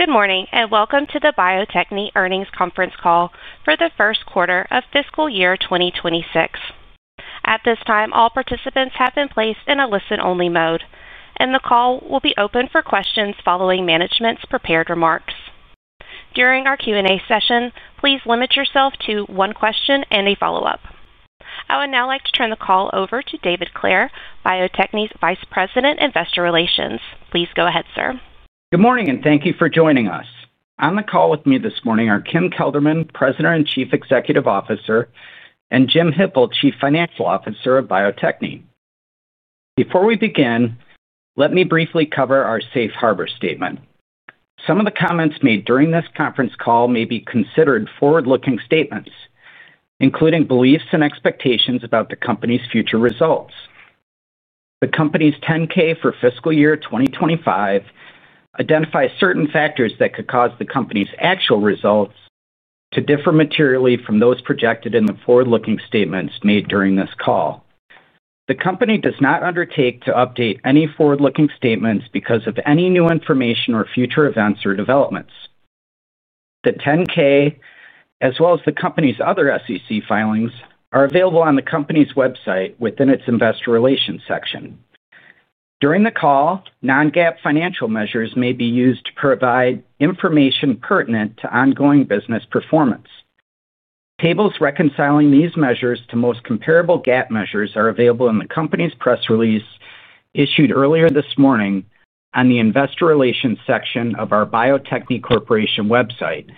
Good morning and welcome to the Bio-Techne earnings conference call for the first quarter of fiscal year 2026. At this time, all participants have been placed in a listen-only mode, and the call will be open for questions following management's prepared remarks. During our Q&A session, please limit yourself to one question and a follow-up. I would now like to turn the call over to David Clair, Bio-Techne Vice President of Investor Relations. Please go ahead, sir. Good morning and thank you for joining us. On the call with me this morning are Kim Kelderman [President and Chief Executive Officer] and Jim Hippel [Chief Financial Officer] (Bio-Techne). Before we begin, let me briefly cover our safe harbor statement. Some of the comments made during this conference call may be considered forward-looking statements, including beliefs and expectations about the company's future results. The company's 10-K for fiscal year 2025 identifies certain factors that could cause the company's actual results to differ materially from those projected in the forward-looking statements made during this call. The company does not undertake to update any forward-looking statements because of any new information or future events or developments. The 10-K, as well as the company's other SEC filings, are available on the company's website within its Investor Relations section. During the call, non-GAAP financial measures may be used to provide information pertinent to ongoing business performance. Tables reconciling these measures to the most comparable GAAP measures are available in the company's press release issued earlier this morning in the Investor Relations section of our Bio-Techne website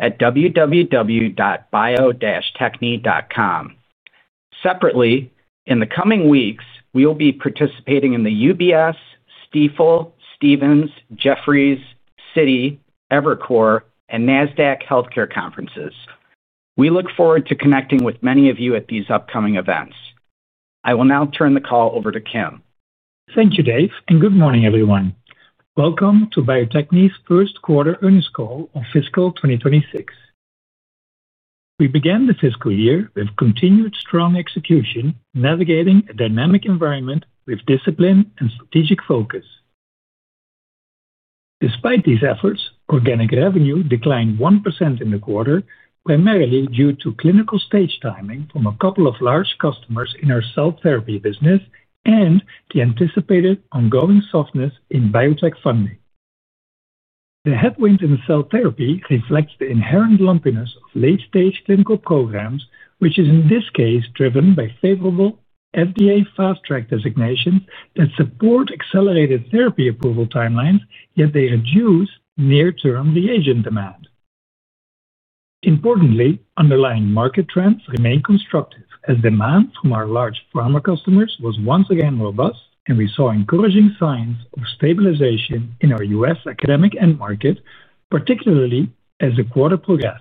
at www.bio-techne.com. Separately, in the coming weeks, we will be participating in the UBS, Stifel, Stephens, Jefferies, Citi, Evercore, and Nasdaq Healthcare conferences. We look forward to connecting with many of you at these upcoming events. I will now turn the call over to Kim. Thank you, David, and good morning, everyone. Welcome to Bio-Techne's first quarter earnings call for fiscal 2026. We began the fiscal year with continued strong execution, navigating a dynamic environment with discipline and strategic focus. Despite these efforts, organic revenue declined 1% in the quarter, primarily due to clinical-stage timing from a couple of large customers in our cell therapy business and the anticipated ongoing softness in biotech funding. The headwind in cell therapy reflects the inherent lumpiness of late-stage clinical programs, which is in this case is driven by favorable FDA Fast Track designations that support accelerated therapy approval timelines, yet they reduce near-term reagent demand. Importantly, underlying market trends remain constructive, as demand from our large pharma customers was once again robust, and we saw encouraging signs of stabilization in our U.S. academic end market, particularly as the quarter progressed.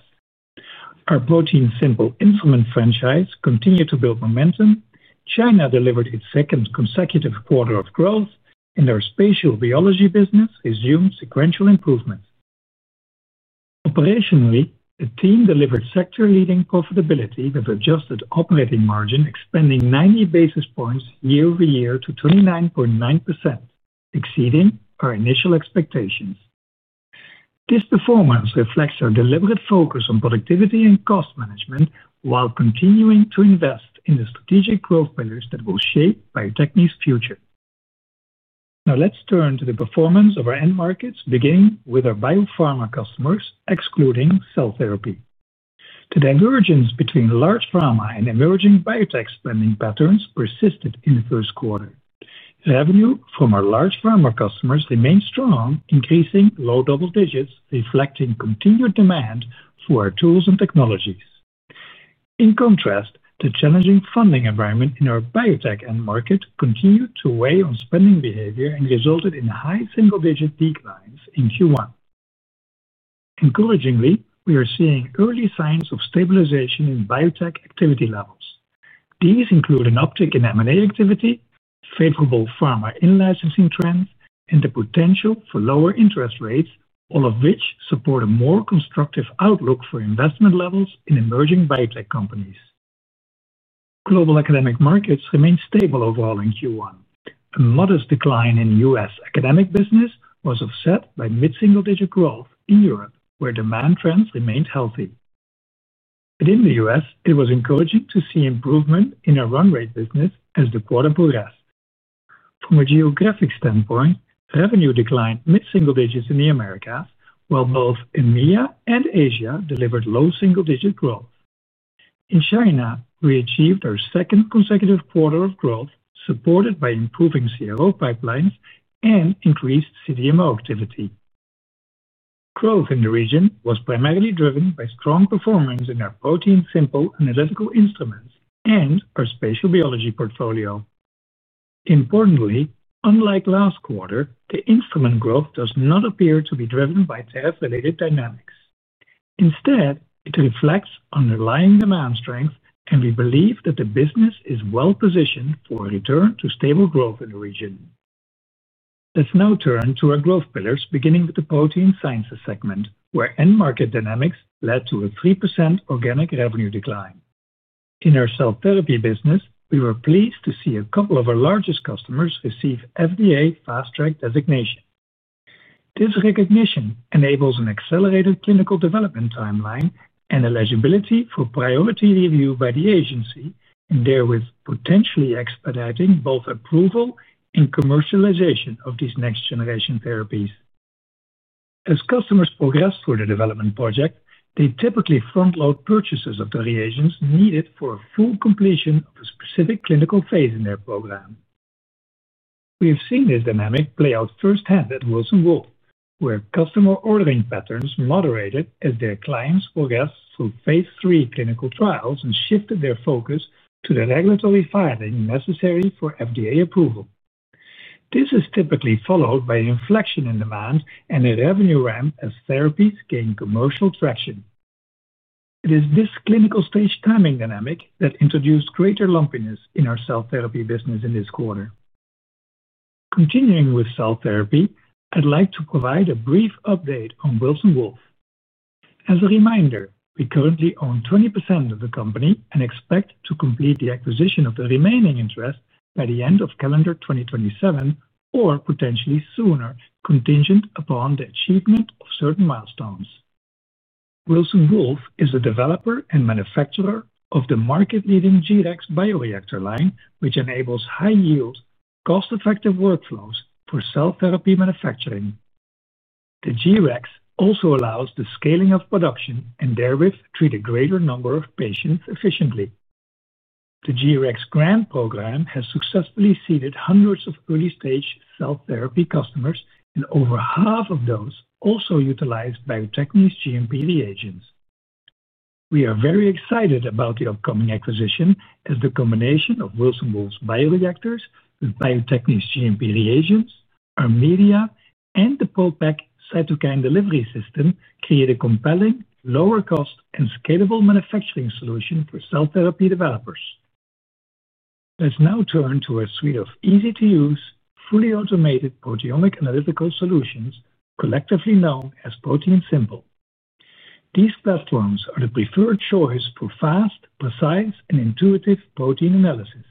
Our ProteinSimple insulin franchise continued to build momentum. China delivered its second consecutive quarter of growth, and our spatial biology business resumed sequential improvements. Operationally, the team delivered sector-leading profitability with adjusted operating margin expanding 90 basis points year-over-year to 29.9%, exceeding our initial expectations. This performance reflects our deliberate focus on productivity and cost management while continuing to invest in the strategic growth pillars that will shape Bio-Techne's future. Now, let's turn to the performance of our end markets, beginning with our biopharma customers, excluding cell therapy. The divergence between large pharma and emerging biotech spending patterns persisted in the first quarter. Revenue from our large pharma customers remained strong, increasing low double digits, reflecting continued demand for our tools and technologies. In contrast, the challenging funding environment in our biotech end market continued to weigh on spending behavior and resulted in high single-digit declines in Q1. Encouragingly, we are seeing early signs of stabilization in biotech activity levels. These include an uptick in M&A activity, favorable pharma in-licensing trends, and the potential for lower interest rates, all of which support a more constructive outlook for investment levels in emerging biotech companies. Global academic markets remained stable overall in Q1. A modest decline in U.S. academic business was offset by mid-single-digit growth in Europe, where demand trends remained healthy. Within the U.S., it was encouraging to see improvement in our run-rate business as the quarter progressed. From a geographic standpoint, revenue declined mid-single digits in the Americas, while both EMEA and Asia delivered low single-digit growth. In China, we achieved our second consecutive quarter of growth, supported by improving CRO pipelines and increased CDMO activity. Growth in the region was primarily driven by strong performance in our ProteinSimple analytical instruments and our spatial biology portfolio. Importantly, unlike last quarter, the instrument growth does not appear to be driven by tariff-related dynamics. Instead, it reflects underlying demand strength, and we believe that the business is well-positioned for a return to stable growth in the region. Let's now turn to our growth pillars, beginning with the protein sciences segment, where end market dynamics led to a 3% organic revenue decline. In our cell therapy business, we were pleased to see a couple of our largest customers receive FDA fast-track designation. This recognition enables an accelerated clinical development timeline and eligibility for priority review by the agency, and therewith potentially expediting both approval and commercialization of these next-generation therapies. As customers progress through the development project, they typically front-load purchases of the reagents needed for a full completion of a specific clinical phase in their program. We have seen this dynamic play out firsthand at Wilson Wolf, where customer ordering patterns moderated as their clients progressed through phase III clinical trials and shifted their focus to the regulatory filing necessary for FDA approval. This is typically followed by an inflection in demand and a revenue ramp as therapies gain commercial traction. It is this clinical stage timing dynamic that introduced greater lumpiness in our cell therapy business in this quarter. Continuing with cell therapy, I'd like to provide a brief update on Wilson Wolf. As a reminder, we currently own 20% of the company and expect to complete the acquisition of the remaining interest by the end of calendar 2027 or potentially sooner, contingent upon the achievement of certain milestones. Wilson Wolf is a developer and manufacturer of the market-leading G-REX bioreactor line, which enables high-yield, cost-effective workflows for cell therapy manufacturing. The G-REX also allows the scaling of production and therewith treats a greater number of patients efficiently. The G-REX grant program has successfully seeded hundreds of early-stage cell therapy customers, and over half of those also utilize Bio-Techne's GMP reagents. We are very excited about the upcoming acquisition, as the combination of Wilson Wolf's bioreactors with Bio-Techne's GMP reagents, our media, and the POLPAC cytokine delivery system create a compelling, lower-cost, and scalable manufacturing solution for cell therapy developers. Let's now turn to our suite of easy-to-use, fully automated proteomic analytical solutions, collectively known as ProteinSimple. These platforms are the preferred choice for fast, precise, and intuitive protein analysis.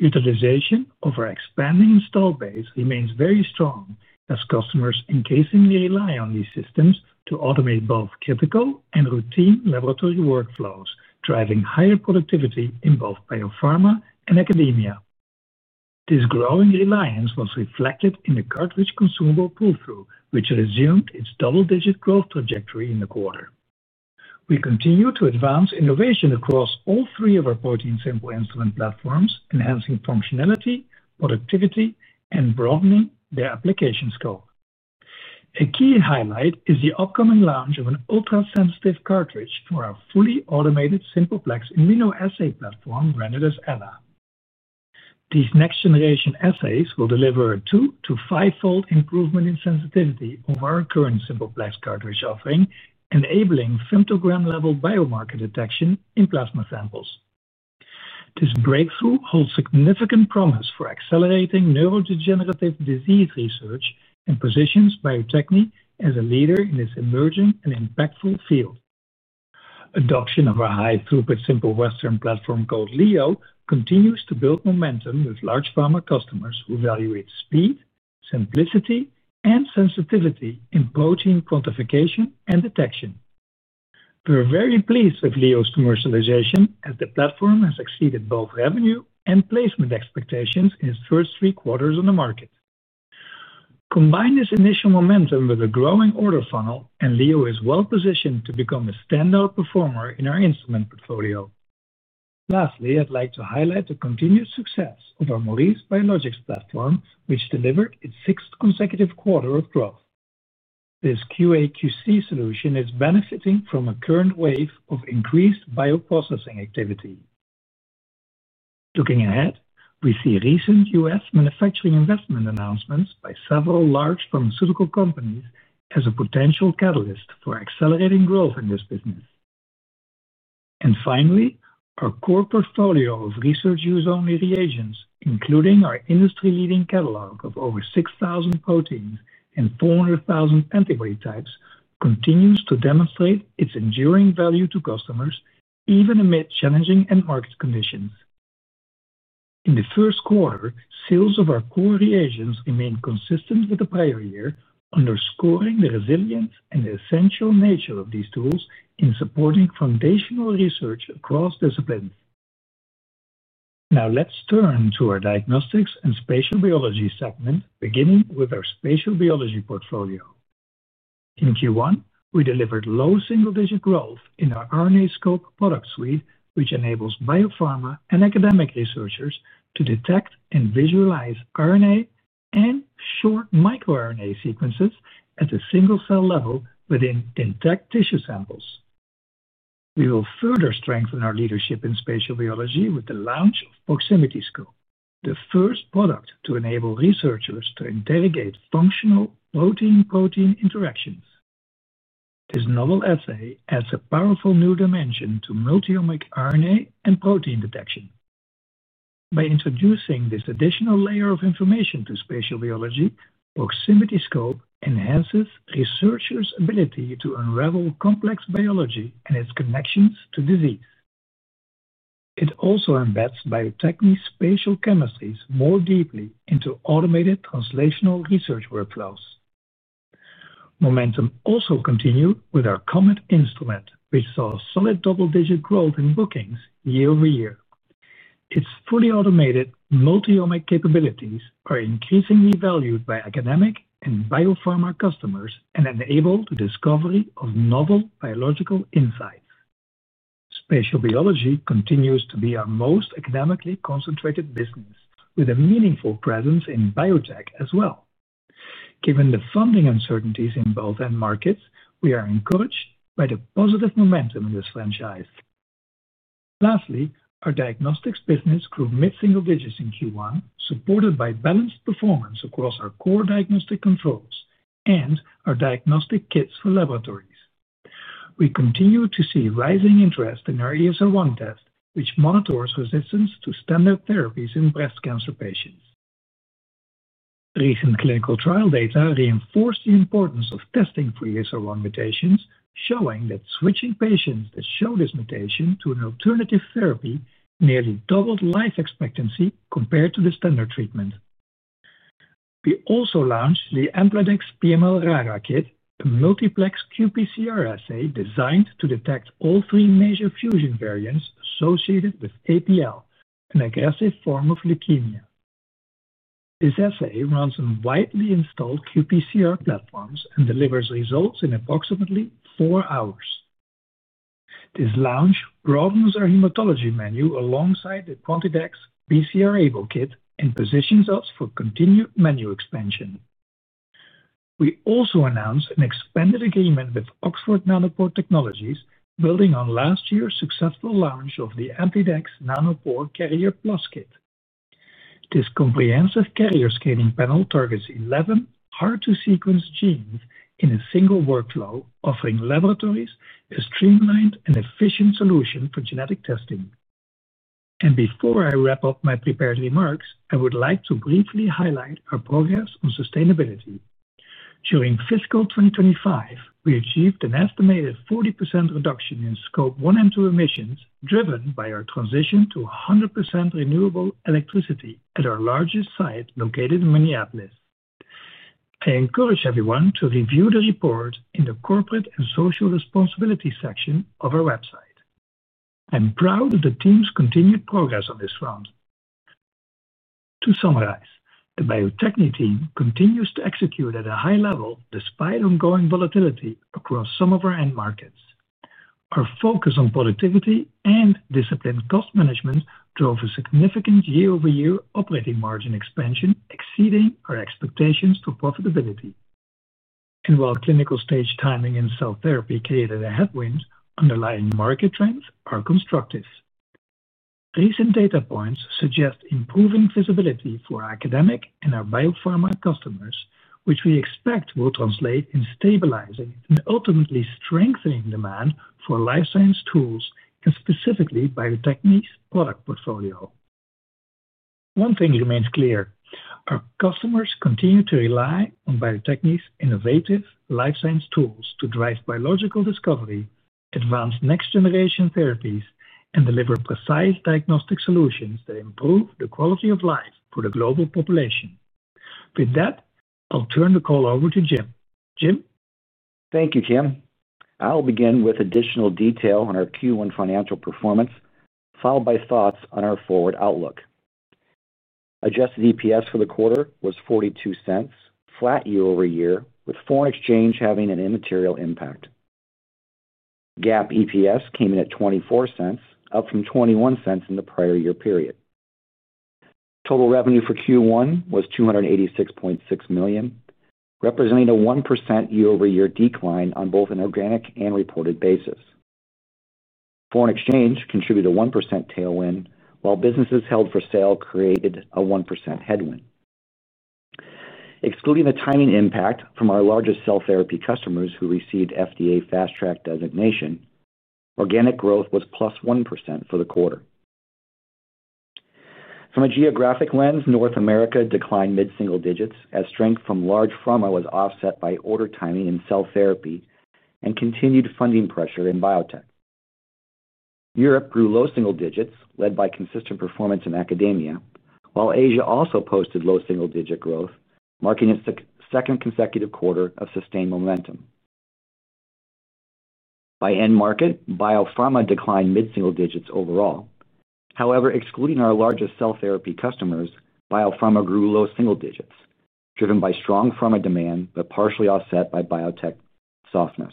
Utilization of our expanding installed base remains very strong, as customers increasingly rely on these systems to automate both critical and routine laboratory workflows, driving higher productivity in both biopharma and academia. This growing reliance was reflected in the cartridge consumable pull-through, which resumed its double-digit growth trajectory in the quarter. We continue to advance innovation across all three of our ProteinSimple instrument platforms, enhancing functionality, productivity, and broadening their application scope. A key highlight is the upcoming launch of an ultra-sensitive cartridge for our fully automated Simple Plex immunoassay platform, branded as Ella. These next-generation assays will deliver a 2-to 5-fold improvement in sensitivity over our current Simple Plex cartridge offering, enabling femtogram-level biomarker detection in plasma samples. This breakthrough holds significant promise for accelerating neurodegenerative disease research and positions Bio-Techne as a leader in this emerging and impactful field. Adoption of our high-throughput Simple Western platform called LEO continues to build momentum with large pharma customers who value its speed, simplicity, and sensitivity in protein quantification and detection. We're very pleased with LEO's commercialization, as the platform has exceeded both revenue and placement expectations in its first three quarters on the market. Combine this initial momentum with a growing order funnel, and LEO is well-positioned to become a standout performer in our instrument portfolio. Lastly, I'd like to highlight the continued success of our Maurice Biologics platform, which delivered its sixth consecutive quarter of growth. This QA/QC solution is benefiting from a current wave of increased bioprocessing activity. Looking ahead, we see recent U.S. manufacturing investment announcements by several large pharmaceutical companies as a potential catalyst for accelerating growth in this business. Finally, our core portfolio of research-use-only reagents, including our industry-leading catalog of over 6,000 proteins and 400,000 antibody types, continues to demonstrate its enduring value to customers, even amid challenging end market conditions. In the first quarter, sales of our core reagents remained consistent with the prior year, underscoring the resilience and the essential nature of these tools in supporting foundational research across disciplines. Now let's turn to our diagnostics and spatial biology segment, beginning with our spatial biology portfolio. In Q1, we delivered low single-digit growth in our RNAscope product suite, which enables biopharma and academic researchers to detect and visualize RNA and short microRNA sequences at the single-cell level within intact tissue samples. We will further strengthen our leadership in spatial biology with the launch of ProximityScope, the first product to enable researchers to interrogate functional protein-protein interactions. This novel assay adds a powerful new dimension to multi-omic RNA and protein detection. By introducing this additional layer of information to spatial biology, ProximityScope enhances researchers' ability to unravel complex biology and its connections to disease. It also embeds Bio-Techne's spatial chemistries more deeply into automated translational research workflows. Momentum also continued with our Comet instrument, which saw solid double-digit growth in bookings year-over-year. Its fully automated multi-omic capabilities are increasingly valued by academic and biopharma customers and enable the discovery of novel biological insights. Spatial biology continues to be our most academically concentrated business, with a meaningful presence in biotech as well. Given the funding uncertainties in both end markets, we are encouraged by the positive momentum in this franchise. Lastly, our diagnostics business grew mid-single digits in Q1, supported by balanced performance across our core diagnostic controls and our diagnostic kits for laboratories. We continue to see rising interest in our ESR1 test, which monitors resistance to standard therapies in breast cancer patients. Recent clinical trial data reinforced the importance of testing for ESR1 mutations, showing that switching patients that show this mutation to an alternative therapy nearly doubled life expectancy compared to the standard treatment. We also launched the AmplideX PML-RARA Kit, a multiplex qPCR assay designed to detect all three major fusion variants associated with APL, an aggressive form of leukemia. This assay runs on widely installed qPCR platforms and delivers results in approximately four hours. This launch broadens our hematology menu alongside the QuantideX BCR-ABL Kit and positions us for continued menu expansion. We also announced an expanded agreement with Oxford Nanopore Technologies, building on last year's successful launch of the AmplideX Nanopore Carrier Plus Kit. This comprehensive carrier scanning panel targets 11 hard-to-sequence genes in a single workflow, offering laboratories a streamlined and efficient solution for genetic testing. Before I wrap up my prepared remarks, I would like to briefly highlight our progress on sustainability. During fiscal 2025, we achieved an estimated 40% reduction in Scope 1 and 2 emissions, driven by our transition to 100% renewable electricity at our largest site located in Minneapolis. I encourage everyone to review the report in the Corporate and Social Responsibility section of our website. I'm proud of the team's continued progress on this front. To summarize, the Bio-Techne team continues to execute at a high level despite ongoing volatility across some of our end markets. Our focus on productivity and disciplined cost management drove a significant year-over-year operating margin expansion, exceeding our expectations for profitability. While clinical stage timing and cell therapy created a headwind, underlying market trends are constructive. Recent data points suggest improving visibility for our academic and our biopharma customers, which we expect will translate in stabilizing and ultimately strengthening demand for life science tools and specifically Bio-Techne's product portfolio. One thing remains clear: our customers continue to rely on Bio-Techne's innovative life science tools to drive biological discovery, advance next-generation therapies, and deliver precise diagnostic solutions that improve the quality of life for the global population. With that, I'll turn the call over to Jim. Jim? Thank you, Kim. I'll begin with additional detail on our Q1 financial performance, followed by thoughts on our forward outlook. Adjusted EPS for the quarter was $0.42, flat year-over-year, with foreign exchange having an immaterial impact. GAAP EPS came in at $0.24, up from $0.21 in the prior year period. Total revenue for Q1 was "$286.6 million," representing a 1% year-over-year decline on both an organic and reported basis. Foreign exchange contributed a 1% tailwind, while businesses held for sale created a 1% headwind. Excluding the timing impact from our largest cell therapy customers who received FDA fast-track designation, organic growth was plus 1% for the quarter. From a geographic lens, North America declined mid-single digits, as strength from large pharma was offset by order timing in cell therapy and continued funding pressure in biotech. Europe grew low single digits, led by consistent performance in academia, while Asia also posted low single-digit growth, marking its second consecutive quarter of sustained momentum. By end market, biopharma declined mid-single digits overall. However, excluding our largest cell therapy customers, biopharma grew low single digits, driven by strong pharma demand but partially offset by biotech softness.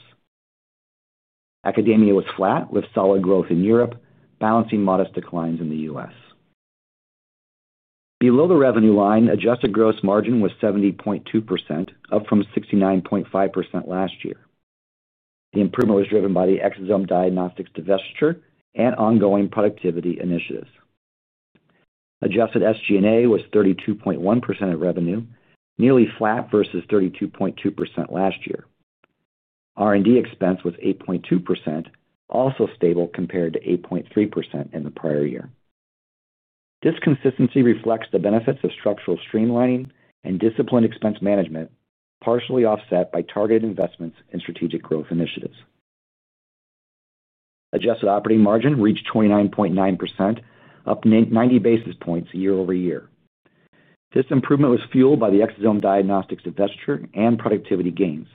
Academia was flat, with solid growth in Europe, balancing modest declines in the U.S. Below the revenue line, adjusted gross margin was "70.2%," up from "69.5%" last year. The improvement was driven by the exosome diagnostics divestiture and ongoing productivity initiatives. Adjusted SG&A was 32.1% of revenue, nearly flat versus 32.2% last year. R&D expense was 8.2%, also stable compared to 8.3% in the prior year. This consistency reflects the benefits of structural streamlining and disciplined expense management, partially offset by targeted investments in strategic growth initiatives. Adjusted operating margin reached 29.9%, up 90 basis points year-over-year. This improvement was fueled by the exosome diagnostics divestiture and productivity gains,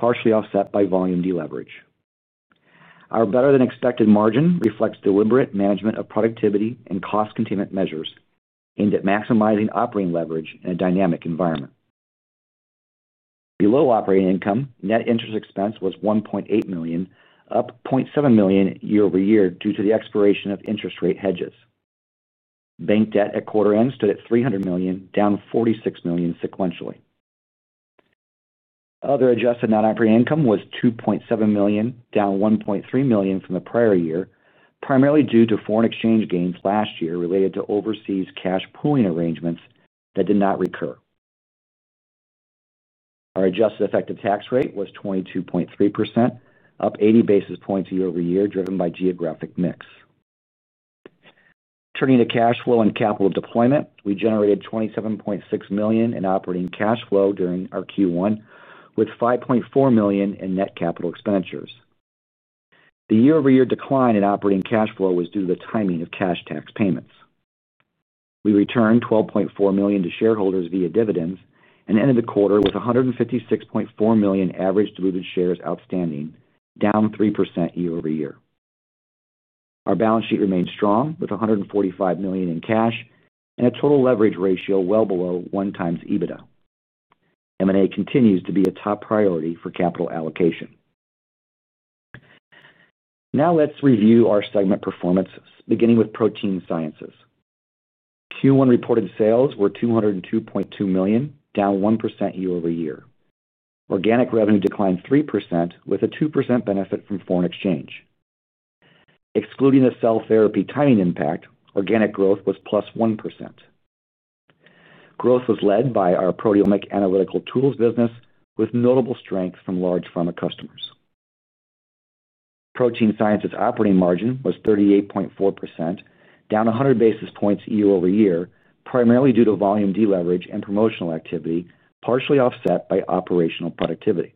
partially offset by volume de-leverage. Our better-than-expected margin reflects deliberate management of productivity and cost containment measures aimed at maximizing operating leverage in a dynamic environment. Below operating income, net interest expense was $1.8 million, up $0.7 million year-over-year due to the expiration of interest rate hedges. Bank debt at quarter-end stood at $300 million, down $46 million sequentially. Other adjusted non-operating income was $2.7 million, down $1.3 million from the prior year, primarily due to foreign exchange gains last year related to overseas cash pooling arrangements that did not recur. Our adjusted effective tax rate was 22.3%, up 80 basis points year-over-year, driven by geographic mix. Turning to cash flow and capital deployment, we generated $27.6 million in operating cash flow during our Q1, with $5.4 million in net capital expenditures. The year-over-year decline in operating cash flow was due to the timing of cash tax payments. We returned $12.4 million to shareholders via dividends and ended the quarter with 156.4 million average diluted shares outstanding, down 3% year-over-year. Our balance sheet remained strong, with $145 million in cash and a total leverage ratio well below 1× EBITDA EBITDA. M&A continues to be a top priority for capital allocation. Now let's review our segment performance, beginning with Protein Sciences. Q1 reported sales were $202.2 million, down 1% year over year. Organic revenue declined 3%, with a 2% benefit from foreign exchange. Excluding the cell therapy timing impact, organic growth was plus 1%. Growth was led by our proteomic analytical tools business, with notable strength from large pharma customers. Protein sciences' operating margin was 38.4%, down 100 basis points year over year, primarily due to volume de-leverage and promotional activity, partially offset by operational productivity.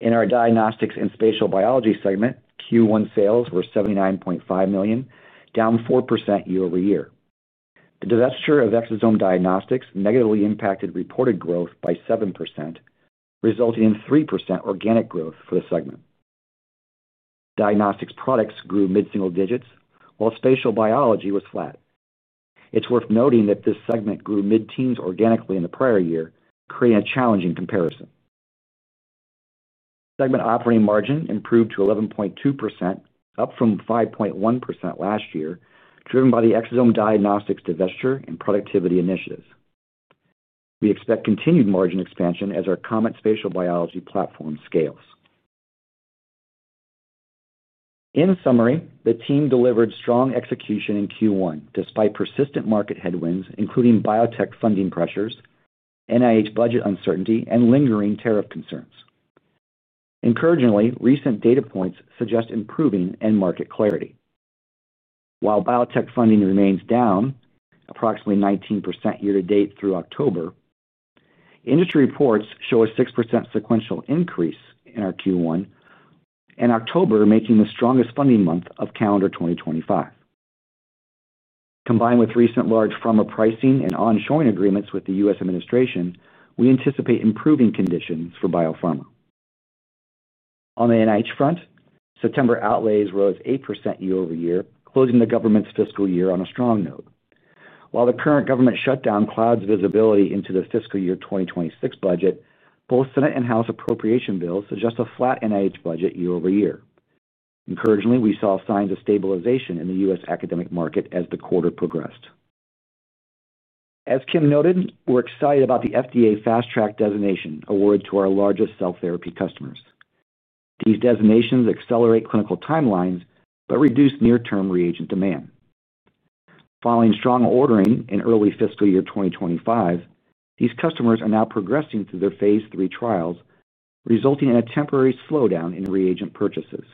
In our Diagnostics and Spatial Biology segment, Q1 sales were $79.5 million, down 4% year over year. The divestiture of Exosome Eiagnostics negatively impacted reported growth by 7%, resulting in 3% organic growth for the segment. Diagnostics products grew mid-single digits, while spatial biology was flat. It's worth noting that this segment grew mid-teens organically in the prior year, creating a challenging comparison. Segment operating margin improved to 11.2%, up from 5.1% last year, driven by the Exosome Diagnostics divestiture and productivity initiatives. We expect continued margin expansion as our common spatial biology platform scales. In summary, the team delivered strong execution in Q1 despite persistent market headwinds, including biotech funding pressures, NIH budget uncertainty, and lingering tariff concerns. Encouragingly, recent data points suggest improving end market clarity. While biotech funding remains down, approximately 19% year to date through October, industry reports show a 6% sequential increase in our Q1. October making the strongest funding month of calendar 2025. Combined with recent large pharma pricing and on-shoring agreements with the U.S. administration, we anticipate improving conditions for biopharma. On the NIH front, September outlays rose 8% year over year, closing the government's fiscal year on a strong note. While the current government shutdown clouds visibility into the Fiscal Year 2026 budget, both Senate and House appropriation bills suggest a flat NIH budget year over year. Encouragingly, we saw signs of stabilization in the U.S. academic market as the quarter progressed. As Kim noted, we're excited about the FDA fast-track designation awarded to our largest cell therapy customers. These designations accelerate clinical timelines but reduce near-term reagent demand. Following strong ordering in early Fiscal Year 2025, these customers are now progressing through their phase three trials, resulting in a temporary slowdown in reagent purchases.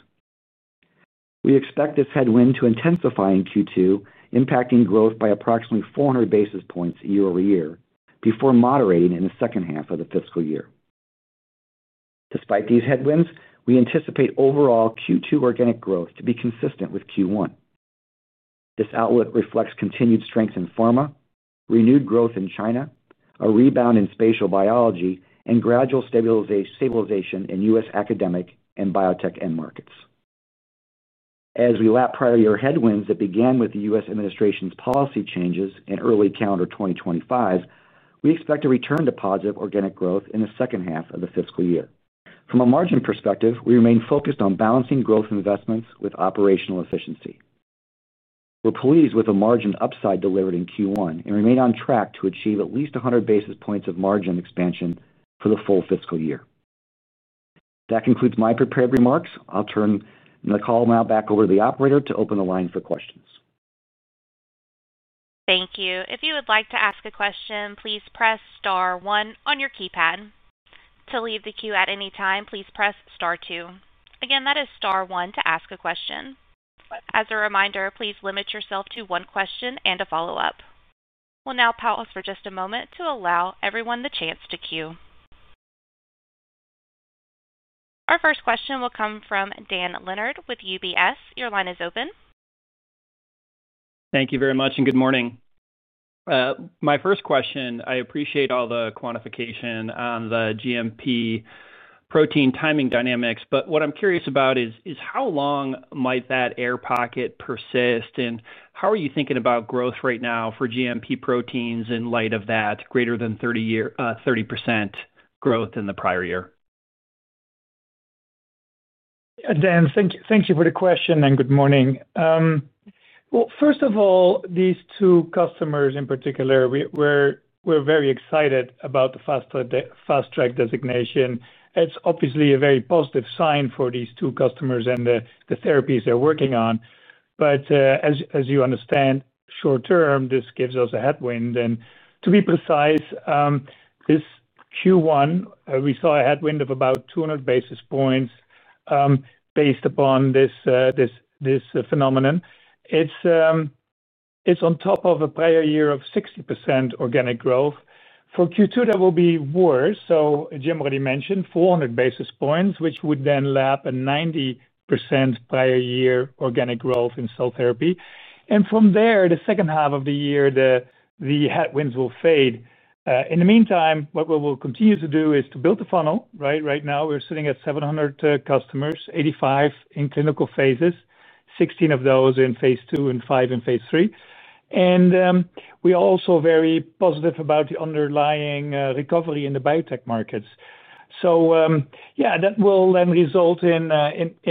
We expect this headwind to intensify in Q2, impacting growth by approximately 400 basis points year over year before moderating in the second half of the fiscal year. Despite these headwinds, we anticipate overall Q2 organic growth to be consistent with Q1. This outlook reflects continued strength in pharma, renewed growth in China, a rebound in spatial biology, and gradual stabilization in U.S. academic and biotech end markets. As we lap prior year headwinds that began with the U.S. administration's policy changes in early calendar 2025, we expect a return to positive organic growth in the second half of the fiscal year. From a margin perspective, we remain focused on balancing growth investments with operational efficiency. We're pleased with the margin upside delivered in Q1 and remain on track to achieve at least 100 basis points of margin expansion for the full fiscal year. That concludes my prepared remarks. I'll turn the call now back over to the operator to open the line for questions. Thank you. If you would like to ask a question, please press Star 1 on your keypad. To leave the queue at any time, please press Star 2. Again, that is Star 1 to ask a question. As a reminder, please limit yourself to one question and a follow-up. We'll now pause for just a moment to allow everyone the chance to queue. Our first question will come from Dan Leonard with UBS. Your line is open. Thank you very much and good morning. My first question— I appreciate all the quantification on the GMP protein timing dynamics, but what I'm curious about is how long might that air pocket persist and how are you thinking about growth right now for GMP proteins in light of that greater than 30% growth in the prior year? Dan, thank you for the question and good morning. First of all, these two customers in particular— we're very excited about the fast-track designation. It's obviously a very positive sign for these two customers and the therapies they're working on. As you understand, short-term, this gives us a headwind. To be precise, this Q1, we saw a headwind of about 200 basis points. Based upon this phenomenon, it's on top of a prior year of 60% organic growth. For Q2, that will be worse. Jim already mentioned approximately 400 basis points, which would then lap a 90% prior year organic growth in cell therapy. From there, the second half of the year, the headwinds will fade. In the meantime, what we will continue to do is to build the funnel. Right now, we're sitting at 700 customers, 85 in clinical phases, 16 of those in phase two and five in phase three. We are also very positive about the underlying recovery in the biotech markets. Yeah, that will then result in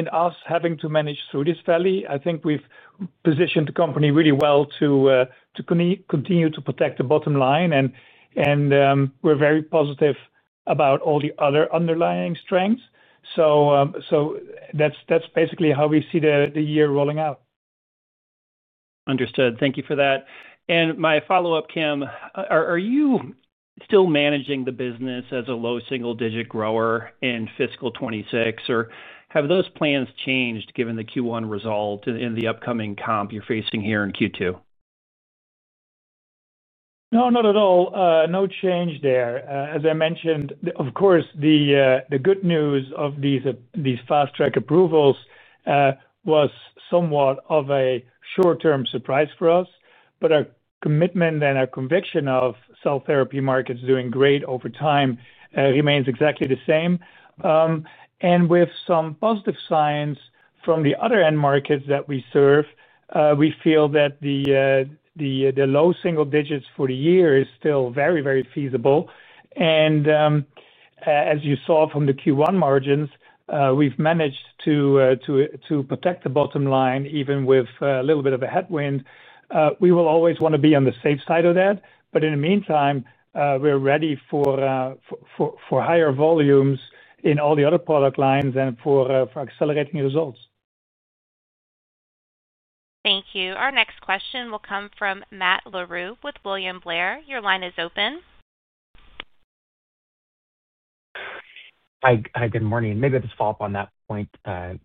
us having to manage through this valley. I think we've positioned the company really well to continue to protect the bottom line, and we're very positive about all the other underlying strengths. That's basically how we see the year rolling out. Understood. Thank you for that. My follow-up, Kim—are you still managing the business as a low single-digit grower in fiscal 2026, or have those plans changed given the Q1 result and the upcoming comp you're facing here in Q2? No, not at all. No change there. As I mentioned, of course, the good news of these fast-track approvals was somewhat of a short-term surprise for us. Our commitment and our conviction of cell therapy markets doing great over time remains exactly the same. With some positive signs from the other end markets that we serve, we feel that the low single digits for the year is still very, very feasible. As you saw from the Q1 margins, we have managed to protect the bottom line even with a little bit of a headwind. We will always want to be on the safe side of that. In the meantime, we are ready for higher volumes in all the other product lines and for accelerating results. Thank you. Our next question will come from Matt LaRue with William Blair. Your line is open. Hi, good morning. Maybe I will just follow up on that point.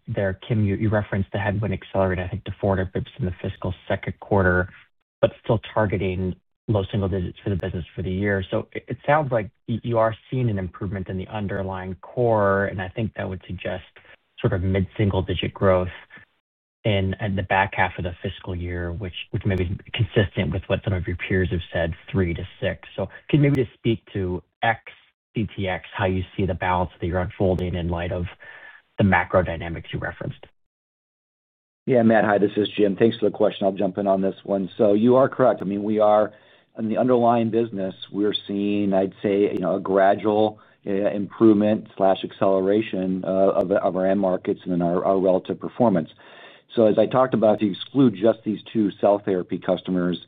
There, Kim, you referenced the headwind accelerated —I think, to four different bits in the fiscal second quarter — but still targeting low single digits for the business for the year. It sounds like you are seeing an improvement in the underlying core, and I think that would suggest sort of mid-single digit growth. In the back half of the fiscal year, which may be consistent with what some of your peers have said, 3-6%. Can you maybe just speak to cell therapy, how you see the balance that you are unfolding in light of the macro dynamics you referenced? Yeah, Matt, hi, this is Jim. Thanks for the question. I'll jump in on this one. You are correct. I mean, in the underlying business, we're seeing, I'd say, a gradual improvement/acceleration of our end markets and our relative performance. As I talked about, to exclude just these two cell therapy customers,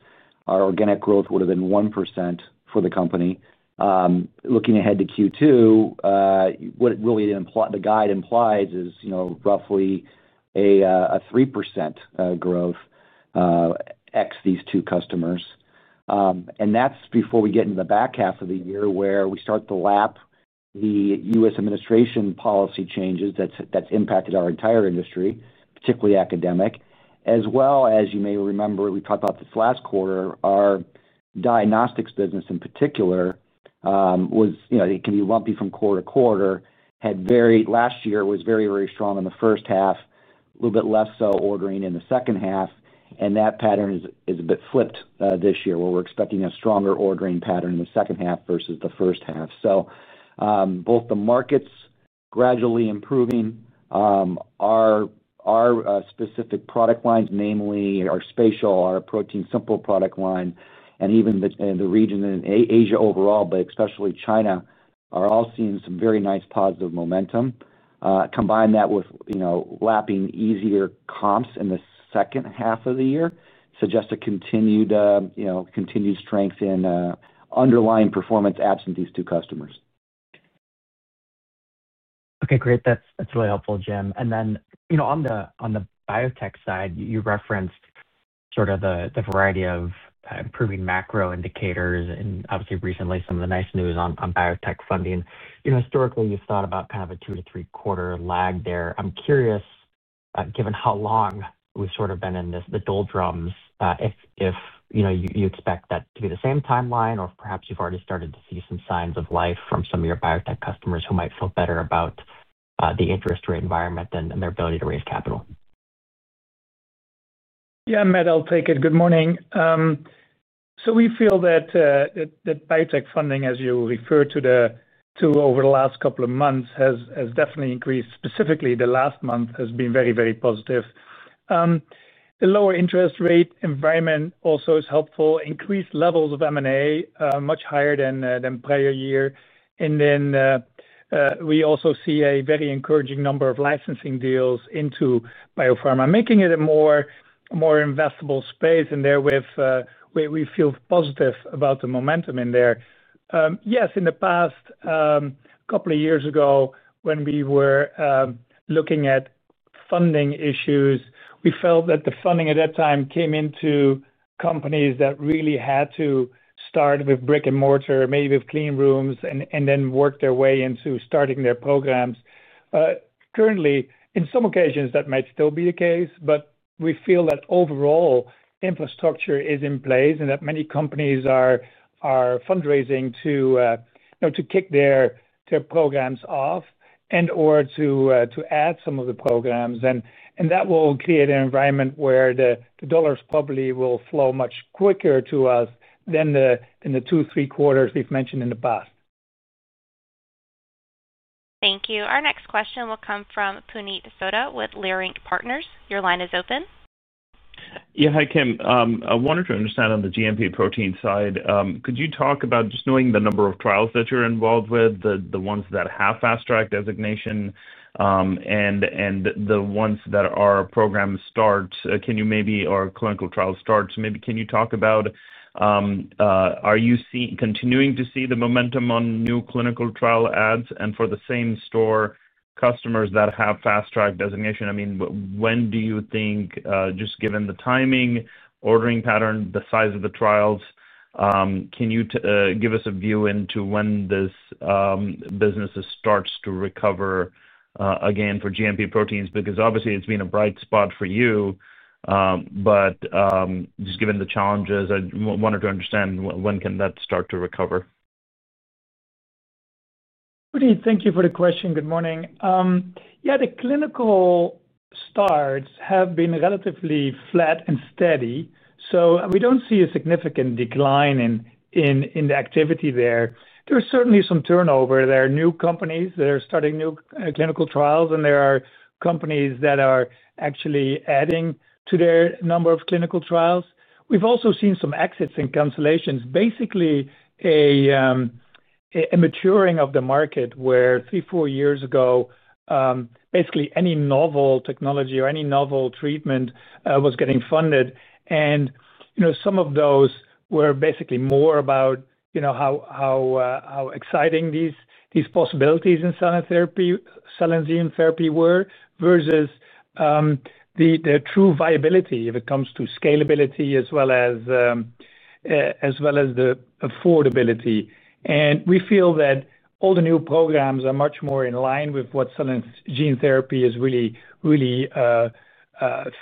our organic growth would have been 1% for the company. Looking ahead to Q2, what really the guide implies is roughly a 3% growth. These two customers —That's before we get into the back half of the year where we start to lap the U.S. administration's policy changes —that impacted our entire industry, particularly academic. As well as —you may remember, we talked about this last quarter, our diagnostics business in particular. It can be lumpy from quarter to quarter, had varied. Last year was very, very strong in the first half, a little bit less so ordering in the second half. That pattern is a bit flipped this year, where we're expecting a stronger ordering pattern in the second half versus the first half. Both the markets gradually improving. Our specific product lines —namely our spatial, our ProteinSimple product lines —and even the region in Asia overall, but especially China, are all seeing some very nice positive momentum. Combine that with lapping easier comps in the second half of the year, which suggests continued strength in underlying performance apps in these two customers. Okay, great. That's really helpful, Jim. Then on the biotech side, you referenced sort of the variety of improving macro indicators and obviously recently some of the nice news on biotech funding. Historically, you've thought about kind of a two-to-three-quarter lag there. I'm curious, given how long we've sort of been in the doldrums, if you expect that to be the same timeline or perhaps you've already started to see some signs of life from some of your biotech customers who might feel better about the interest rate environment and their ability to raise capital. Yeah, Matt, I'll take it. Good morning. We feel that biotech funding, as you referred to, over the last couple of months, has definitely increased. Specifically, the last month has been very, very positive. The lower interest-rate environment also is helpful. Increased levels of M&A much higher than prior year. We also see a very encouraging number of licensing deals into biopharma, making it a more investable space. Therewith, we feel positive about the momentum in there. Yes, in the past, a couple of years ago, when we were looking at funding issues, we felt that the funding at that time came into companies that really had to start with brick-and-mortar, maybe with clean rooms, and then work their way into starting their programs. Currently, in some occasions, that might still be the case, but we feel that overall infrastructure is in place and that many companies are fundraising to kick their programs off and/or to add some of the programs. That will create an environment where the dollars probably will flow much quicker to us than the two to three quarters we've mentioned in the past. Thank you. Our next question will come from Puneet Soda with Leerink Partners. Your line is open. Yeah, hi Kim. I wanted to understand on the GMP protein side. Could you talk about just knowing the number of trials that you're involved with — the ones that have fast-track designation, and the ones that are program starts or clinical trial starts — maybe can you talk about. Are you continuing to see the momentum on new clinical trial adds? And for the same store customers that have fast-track designation, I mean, when do you think, just given the timing, ordering pattern, the size of the trials, can you give us a view into when this business starts to recover, again for GMP proteins? Because obviously, it's been a bright spot for you. Just given the challenges, I wanted to understand when can that start to recover? Puneet, thank you for the question. Good morning. Yeah, the clinical starts have been relatively flat and steady. We don't see a significant decline in the activity there. There's certainly some turnover — new companies are starting new trials, and others adding to existing program. We've also seen some exits and cancellations, basically a maturing of the market where three, four years ago basically any novel technology or any novel treatment was getting funded. Some of those were basically more about how exciting these possibilities in cell and gene therapy were versus the true viability, if it comes to scalability as well as the affordability. We feel that all the new programs are much more in line with what cell and gene therapy is really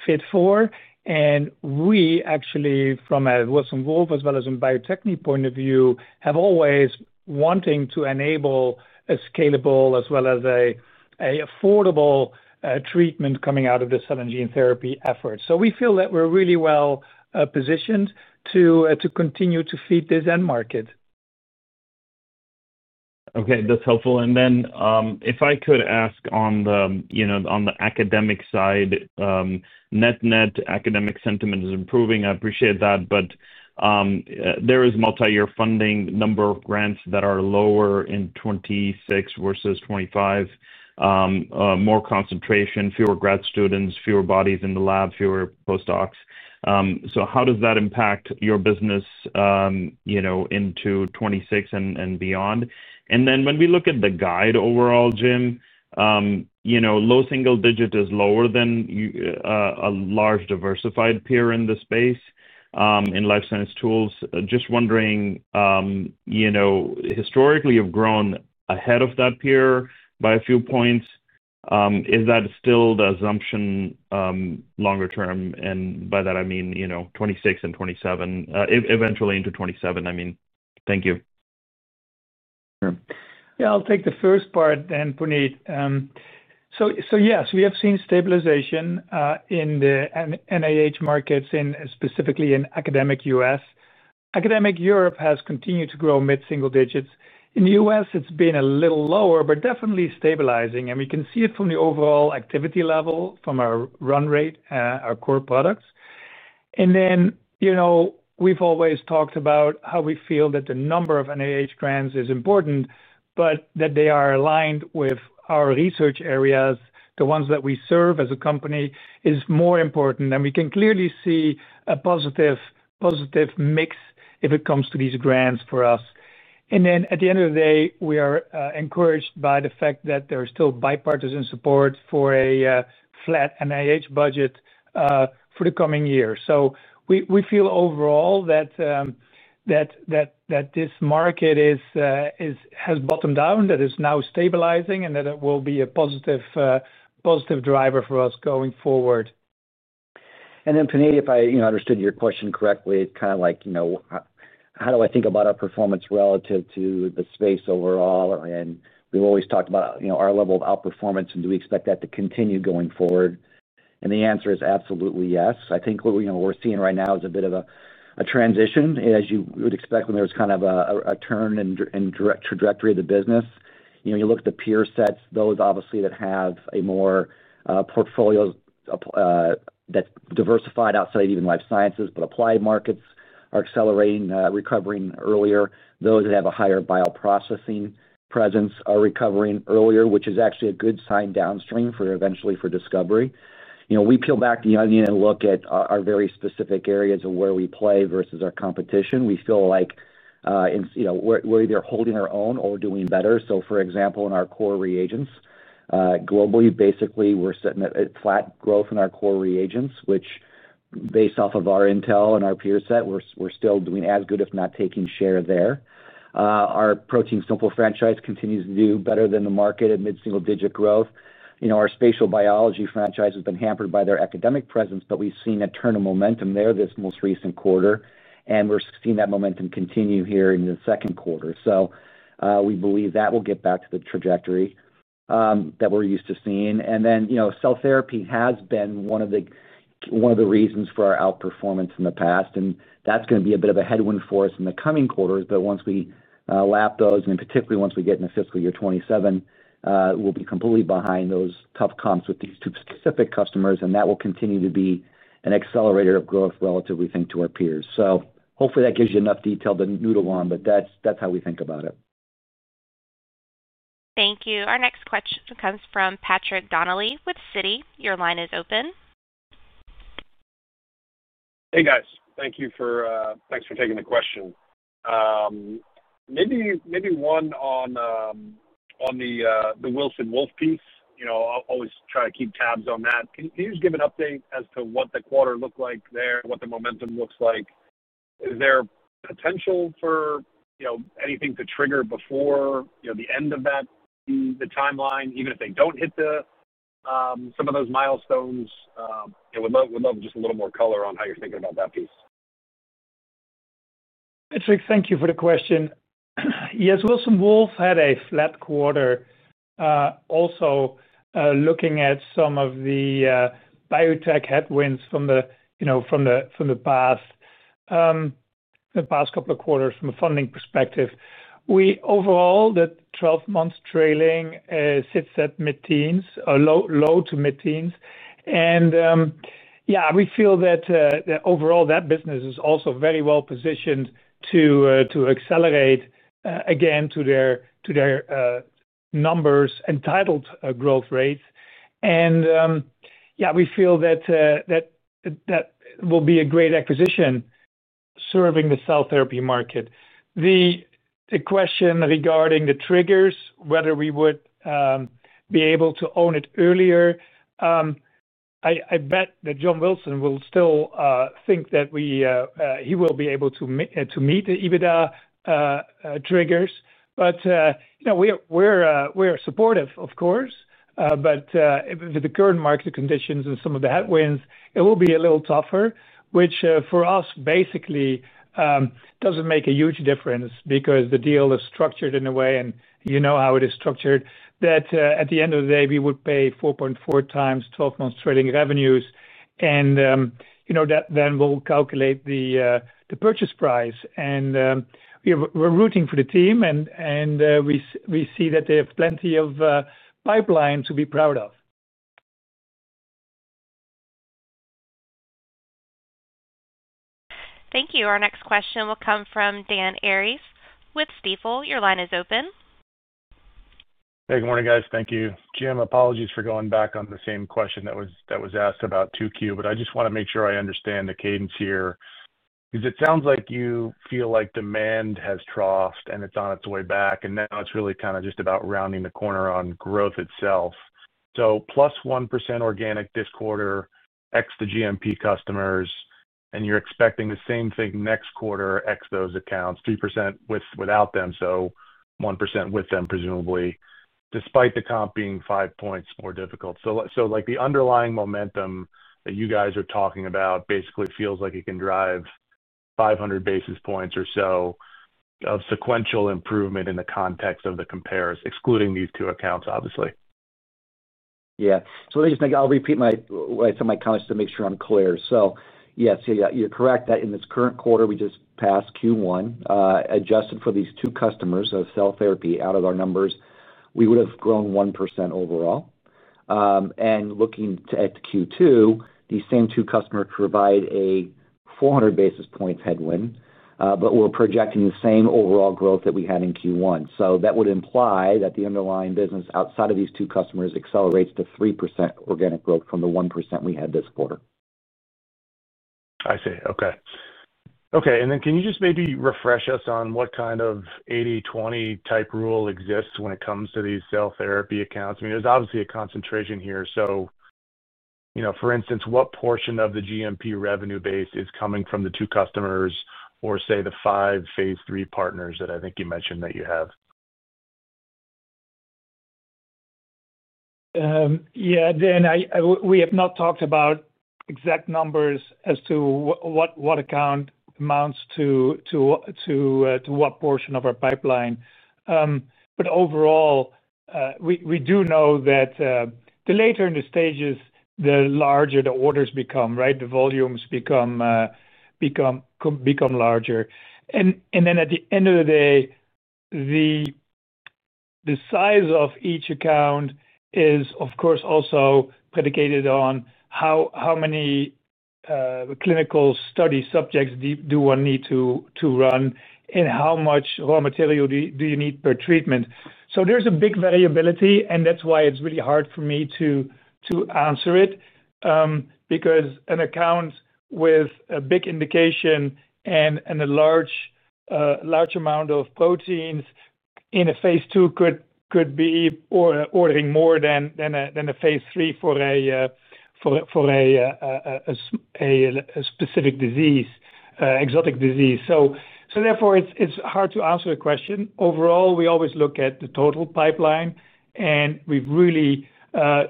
fit for. We actually, from a Wilson Wolf as well as a Bio-Techne point of view, we've always wanted to enable a scalable as well as an affordable treatment coming out of the cell and gene therapy effort. We feel that we are really well positioned to continue to feed this end market. Okay, that is helpful. If I could ask on the academic side — net-net academic sentiment is improving. I appreciate that. There is multi-year funding, number of grants that are lower in Fiscal Year 2026 versus 2025 — more concentration, fewer grad students, fewer bodies in the lab, fewer postdocs. How does that impact your business into 2026 and beyond? When we look at the guide overall, Jim — low single digit is lower than a large diversified peer in the space. In life science tools. Just wondering — historically, you've grown ahead of that peer by a few points. Is that still the assumption longer term? And by that, I mean 2026 and 2027, eventually into 2027. Sure. Yeah, I'll take the first part then, Puneet. Yes, we've seen stabilization in the NIH markets, specifically in U.S. academic. Academic Europe has continued to grow mid-single digits. In the U.S., it's been a little lower, but definitely stabilizing. We can see it from the overall activity levels and our-run rate core products. We've always talked about how we feel that the number of NIH grants is important, but that they are aligned with our research areas, the ones that we serve as a company, is more important. We can clearly see a positive mix if it comes to these grants for us. At the end of the day, we're encouraged by continued bipartisan supports for a flat NIH budget for the coming year. We feel overall that this market has bottomed out, is now stabilizing, and will be a positive driver for us going forward. Puneet, if I understood your question correctly, it's about our performance relative to the space overall academic? We have always talked about our level of outperformance, and do we expect that to continue going forward? The answer is absolutely yes. I think what we are seeing right now is a bit of a transition, as you would expect when there was kind of a turn in trajectory of the business. Looking at the peer sets, those with more diversified portfolio outside even life sciences — applied markets — are recovering earlier. Those with higher bioprocessing presence are also recovering earlier, which is a good sign downstream for discovery. When we look at our specific areas of where we play versus competition. We feel we're holding our own or doing better. For example, in our core reagents globally, basically, we're sitting at flat growth in our core reagents, which based on our intel and peer means we're still doing as good, if not taking share there. Our ProteinSimple franchise continues to do better than the market at mid-single digit growth. Our Spatial Biology franchise has been hampered by their academic presence, but we've seen a turn of momentum there this most recent quarter. We're seeing that momentum continue here in the second quarter. We believe that will get back to the trajectory that we're used to seeing. Cell therapy has been one of the reasons for our outperformance in the past. That's going to be a bit of a headwind for us in the coming quarters. Once we lap those, and particularly once we get into Fiscal Year 2027, we'll be completely behind those tough comps with these two specific customers. That will continue to be an accelerator of growth relatively, I think, to our peers. Hopefully, that gives you enough detail to noodle on, but that's how we think about it. Thank you. Our next question comes from Patrick Donnelly with Citi. Your line is open. Hey, guys. Thank you for taking the question. Maybe one on the Wilson Wolf piece — I always try to keep tabs on that. Can you just give an update on what the quarter looked like there and what the momentum looks like? Is there potential for anything to trigger before the end of that timeline even if they do not hit milestones? We'd love just a little more color on how you are thinking about that piece. Thank you for the question. Yes, Wilson Wolf had a flat quarter, also seeing some of the biotech headwinds from funding conditions. Overall, the 12-month trailing sits at mid-teens, low to mid-teens. Yeah, we feel the business is well positioned to accelerate again to its entitled growth rates. That will be a great acquisition serving the cell-therapy market. The question regarding the triggers — whether we would be able to own it earlier — I bet that John Wilson will still think that he will be able to meet the EBITDA triggers. We're supportive. With the current market conditions and some of the headwinds, it will be a little tougher, which for us does not make a huge difference because the deal is structured in a way, and you know how it is structured, that at the end of the day, we would pay 4.4 times 12-month trailing revenues, then calculate the purchase price. We're rooting for the team, and we see that they have plenty of pipeline to be proud of. Thank you. Our next question will come from Dan Aries with Stifel. Your line is open. Hey, good morning, guys. Thank you. Jim, apologies for going back to the same question on Q2, but I want to make sure I understand the cadence. It sounds like you feel demand has troughed and it's on its way back, and now it's really kind of just about rounding the corner on growth itself. So plus 1% organic this quarter X the GMP customers, and you're expecting the same thing next quarter X those accounts — 3% without them, so 1% with them — despite the comp being 5 basis points more difficult. So the underlying momentum that you guys are talking about basically feels like it can drive 500 basis points of sequential improvement excluding these two accounts, obviously. Yeah. Let me repweat what I said to my colleagues to be clear. Yes, you're correct that in this current quarter, we just passed (Q1), adjusted for these two customers of cell-therapy out of our numbers, we would have grown 1% overall. Looking at Q2, these same two customers provide a 400-basis points headwind, but we're projecting the same overall growth that we had in Q1. That would imply that the underlying business outside of these two customers accelerates to 3% organic growth from the 1% we had this quarter. I see. Okay. Okay. Can you just maybe refresh us on what kind of 80/20 rule exists when it comes to these cell-therapy accounts? For instance, what portion of the GMP revenue base comes from the two customers or the five phase-three partners that you mentioned? Yeah. We have not talked about exact numbers as to what account amounts to, what portion of our pipeline. Overall, we know the the stages, the larger the orders. At the end of the day, the size of each account is, of course, also predicated on how many clinical study subjects do one need to run and how much raw material do you need per treatment. There's a big variability, and that's why it's really hard for me to answer it, because an account with a big indication and a large. Amount of proteins in a phase two could be ordering more than a phase three for a specific disease, exotic disease. Therefore, it's hard to answer the question. Overall, we always look at the total pipeline, and we've really made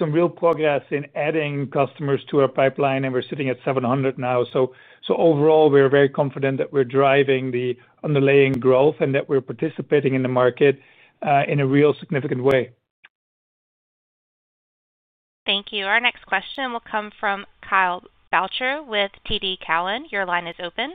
some real progress in adding customers to our pipeline, and we're sitting at 700 now. Overall, we're very confident that we're driving the underlying growth and that we're participating in the market in a real significant way. Thank you. Our next question will come from Kyle Belcher with TD Cowen. Your line is open.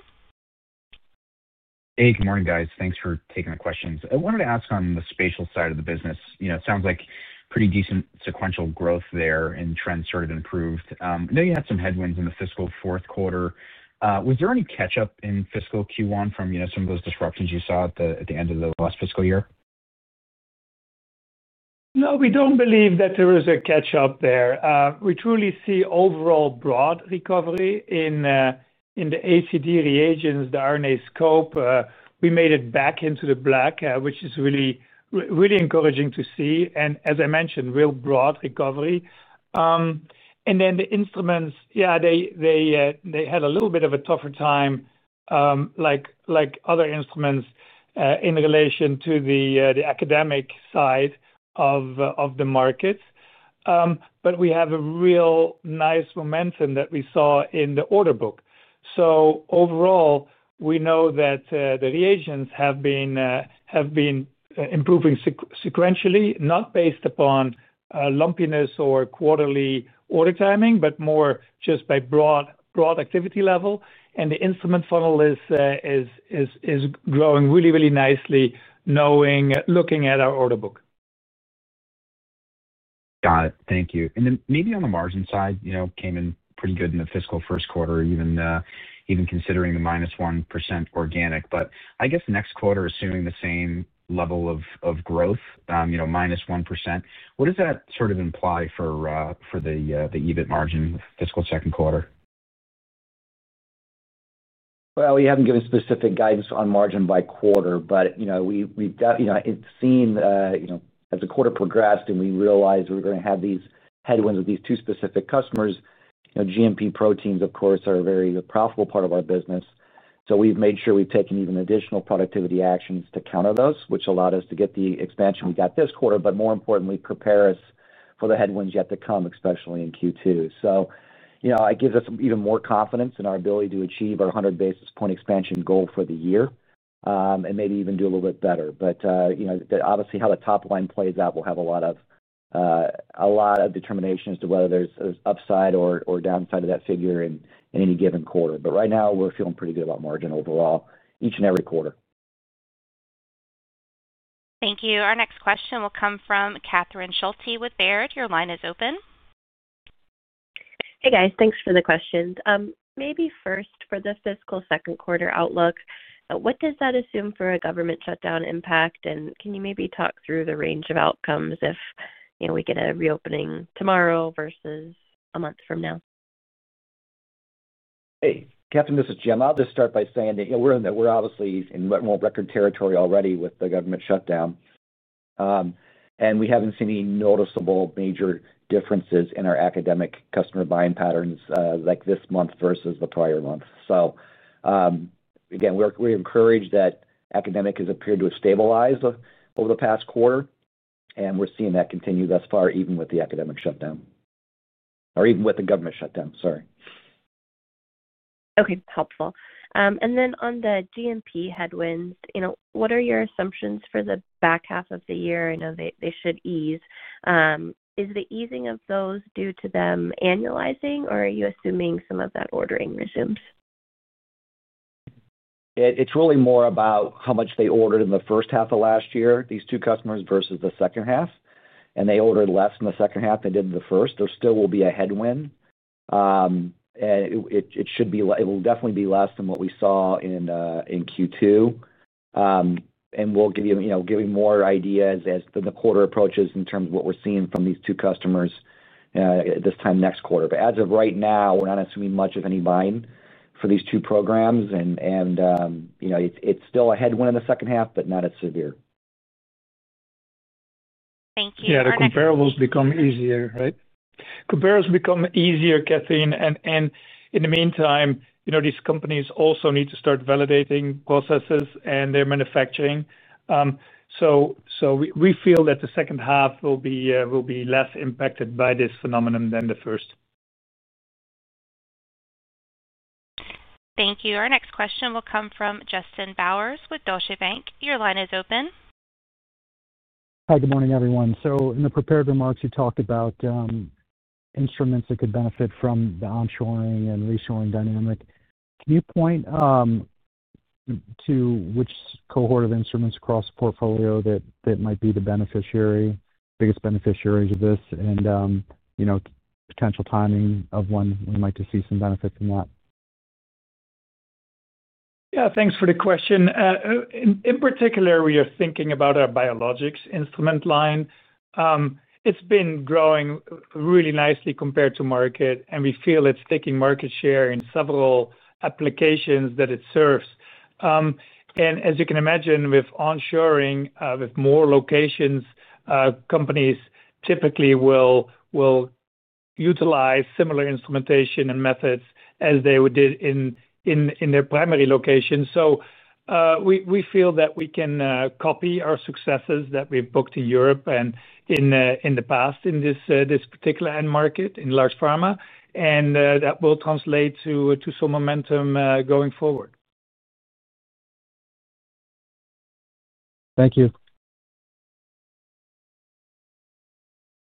Hey, good morning, guys. Thanks for taking the questions. I wanted to ask on the spatial side of the business. It sounds like pretty decent sequential growth there and trends sort of improved. I know you had some headwinds in the fiscal fourth quarter was there any catch-up in fiscal Q1 from some of those disruptions you saw at the end of the last fiscal year? No, we do not believe that there was a catch-up there. We truly see overall broad recovery in the ACD reagents, the RNAscope. We made it back into the black, which is really, really encouraging to see. As I mentioned, real broad recovery. The instruments, yeah, they had a little bit of a tougher time, like other instruments in relation to the academic side of the market. We havve real momentum that we saw in the order book. Overall, we know that the reagents have been improving sequentially, not based upon lumpiness or quarterly order timing, but more just by broad activity level. The instrument funnel is growing really, really nicely looking at our order book. Got it. Thank you. Maybe on the margin side, came in pretty good in the fiscal first quarter, even. Considering the negative 1% organic. I guess next quarter, assuming the same level of growth, negative 1%, what does that sort of imply for the EBIT margin fiscal second quarter? We have not given specific guidance on margin by quarter, but we have seen as the quarter progressed and we realized we were going to have these headwinds with these two specific customers. GMP proteins, of course, are a very profitable part of our business. We have made sure we have taken even additional productivity actions to counter those, which allowed us to get the expansion we got this quarter, but more importantly, prepare us for the headwinds yet to come, especially in Q2. It gives us even more confidence in our ability to achieve our 100-basis-point expansion goal for the year. Maybe even do a little bit better. Obviously, how the top line plays out will have a lot of determination as to whether there's upside or downside of that figure in any given quarter. Right now, we're feeling pretty good about margin overall each and every quarter. Thank you. Our next question will come from Katherine Schulte with Baird. Your line is open. Hey, guys. Thanks for the questions. Maybe first, for the fiscal second quarter outlook, what does that assume for a government-shutdown impact? Can you maybe talk through the range of outcomes if we get a reopening tomorrow versus a month from now? Hey, Katherine, this is Jim.I'll just start by saying that we're obviously in record territory already with the government shutdown. We haven't seen any noticeable major differences in our academic customer buying patterns this month versus the prior month. Again, we're encouraged that academic has appeared to have stabilized over the past quarter, and we're seeing that continue thus far even with the academic shutdown. Or even with the government shutdown, sorry. Okay. Helpful. And then on the GMP headwinds, what are your assumptions for the back half of the year? They should ease — is the easing of those due to them annualizing, or are you assuming some of that ordering resumes? It's really more about how much they ordered in the first half of last year, these two customers, versus the second half. They ordered less in the second half than they did in the first. There still will be a headwind; however, it will definitely be less than what we saw in Q2. We will give you more ideas as the quarter approaches in terms of what we are seeing from these two customers this time next quarter. As of right now, we are not assuming much of any buying for these two programs. It is still a headwind in the second half, but not as severe. Thank you. Yeah, the comparables become easier, right? Comparisons become easier, Katherine. In the meantime, these companies also need to start validating processes and their manufacturing. We feel that the second half will be less impacted by this phenomenon than the first. Thank you. Our next question will come from Justin Bowers with Deutsche Bank. Your line is open. Hi, good morning, everyone. In the prepared remarks, you talked about instruments that could benefit from the onshoring and reshoring dynamic. Can you point to which cohort of instruments across the portfolio that might be the beneficiary, biggest beneficiaries of this, and potential timing of when we might see some benefits from that? Yeah, thanks for the question. In particular, we are thinking about our biologics-instrument line. It's been growing really nicely compared to market, and we feel it's taking market share in several applications that it serves. As you can imagine, with onshoring, with more locations, companies typically will utilize similar instrumentation and methods as they did in their primary locations. We feel that we can replicate our successes that we've booked in Europe and in the past in this particular end market, in large pharma, and that will translate to some momentum going forward. Thank you.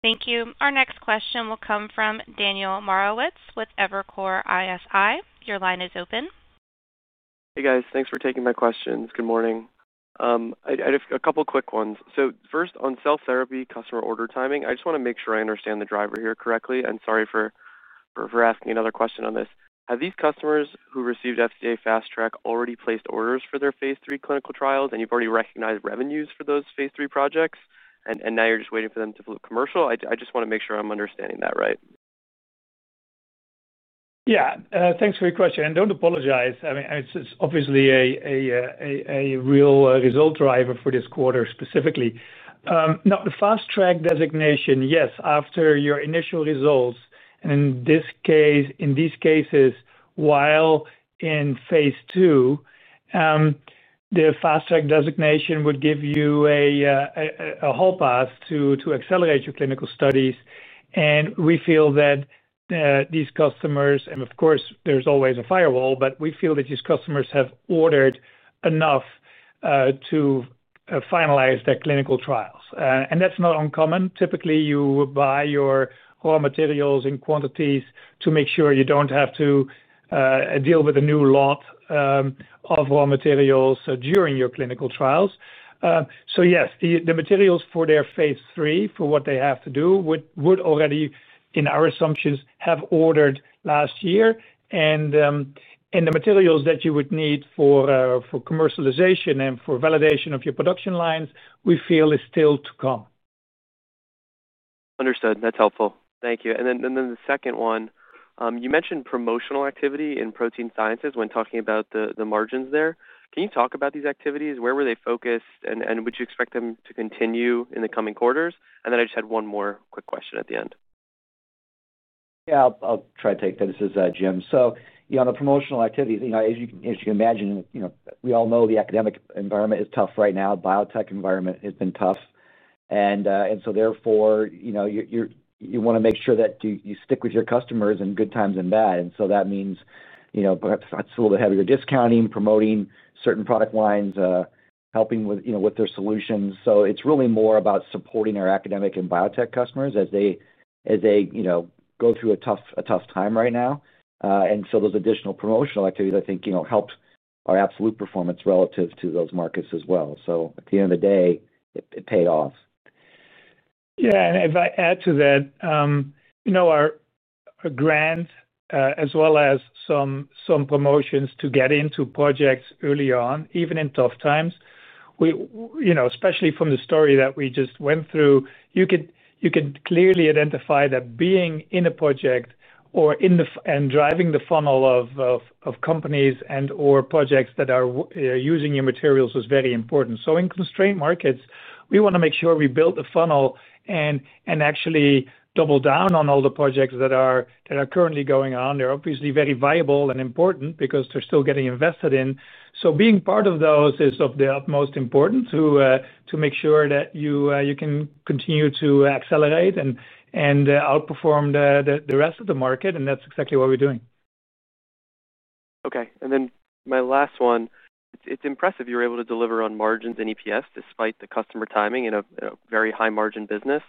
Thank you. Our next question will come from Daniel Morrowitz with Evercore ISI. Your line is open. Hey, guys. Thanks for taking my questions. Good morning. I have a couple of quick ones. First, on cell-therapy-customer order timing, I just want to make sure I understand the driver here correctly. Sorry for asking another question on this. Have these customers who received FDA fast track already placed orders for their phase-three clinical trials, and you have already recognized revenues for those phase three projects, and now you are just waiting for them to float commercial? I just want to make sure I am understanding that right. Yeah. Thanks for your question. Do not apologize. I mean, it is obviously a real result driver for this quarter specifically. Now, the fast-track designation, yes, after your initial results, and in these cases, while in phase two. The fast-track designation would give you a hall pass to accelerate your clinical studies. We feel that these customers—of course, there is always a firewall—but we feel that these customers have ordered enough to finalize their clinical trials. That is not uncommon. Typically, you buy your raw materials in quantities to make sure you do not have to deal with a new lot of raw materials during your clinical trials. Yes, the materials for their phase-three work would, in our assumptions, have been ordered last year. The materials that you would need for commercialization and validation of production lines, we feel, is still to come. Understood. That is helpful. Thank you. The second one, you mentioned promotional activity in Protein Sciences when talking about the margins there. Can you talk about these activities? Where were they focused, and would you expect them to continue in the coming quarters? I just had one more quick question at the end. Yeah, I'll try to take that. This is Jim. On the promotional activities, as you can imagine, we all know the academic environment is tough right now. The biotech environment has been tough. Therefore, you want to make sure that you stick with your customers in good times and bad. That means perhaps a little bit heavier discounting, promoting certain product lines, helping with their solutions. It is really more about supporting our academic and biotech customers as they go through a tough time right now. Those additional promotional activities, I think, helped our relative performance versus those markets. At the end of the day, it paid off. Yeah. If I add to that, our grants support program, as well as some promotions to get into projects early on, even in tough times. Especially from the story that we just went through, you can clearly identify that being in a project and driving the funnel of companies and/or projects that are using your materials was very important. In constrained markets, we want to make sure we build a funnel and actually double down on all the projects that are currently going on. They're obviously very viable and important because they're still getting invested in. Being part of those is of the utmost importance to make sure that you can continue to accelerate and outperform the rest of the market. That's exactly what we're doing. Okay. My last one, it's impressive you were able to deliver on margins and EPS despite the customer timing in a very high-margin business.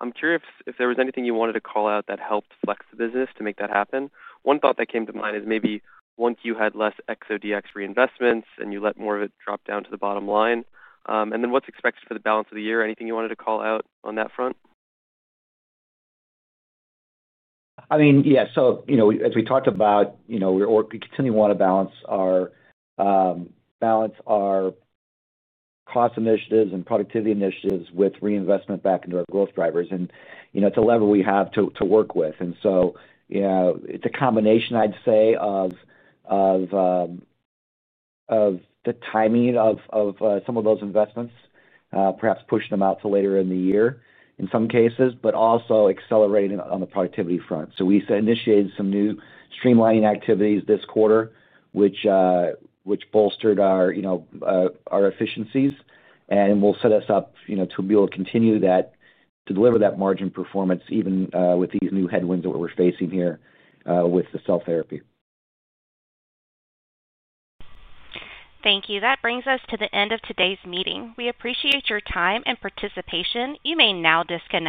I'm curious if there was anything you wanted to call out that helped flex the business to make that happen. One thought that came to mind is maybe once you had less Exosome Diagnostics(XODX) reinvestments and you let more of it drop down to the bottom line. What's expected for the balance of the year? Anything you wanted to call out on that front? I mean, yeah. As we talked about, we continually want to balance our cost initiatives and productivity initiatives with reinvestment back into our growth drivers. It's a lever we have to work with. It's a combination, I'd say, of the timing of some of those investments, perhaps pushing them out to later in the year in some cases, but also accelerating on the productivity front. We initiated some new streamlining activities this quarter, which bolstered our efficiencies. It will set us up to be able to continue to deliver that margin performance even with these new headwinds that we're facing here with the cell therapy. Thank you. That brings us to the end of today's meeting. We appreciate your time and participation. You may now disconnect.